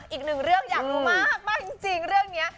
อีกหนึ่งเรื่องอยากรู้มากจริงเรื่องนี้